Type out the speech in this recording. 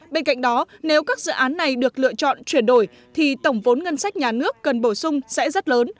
bên cạnh đó nếu các dự án này được lựa chọn chuyển đổi thì tổng vốn ngân sách nhà nước cần bổ sung sẽ rất lớn